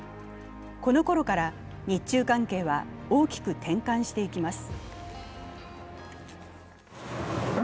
この頃から日中関係は大きく転換していきます。